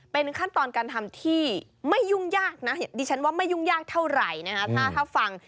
เป็นขั้นตอนการทำที่ไม่ยุ่งยากนะดิฉันว่าไม่ยุ่งยากเท่าไหร่นะคะถ้าฟัง